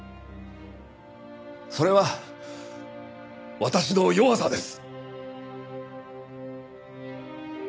それは私の弱さです。